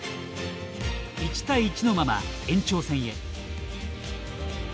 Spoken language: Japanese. １対１のまま、延長戦へ。